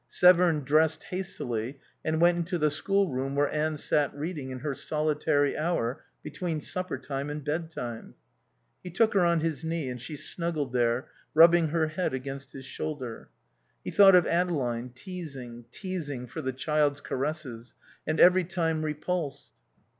Severn dressed hastily and went into the schoolroom where Anne sat reading in her solitary hour between supper time and bed time. He took her on his knee, and she snuggled there, rubbing her head against his shoulder. He thought of Adeline, teasing, teasing for the child's caresses, and every time repulsed.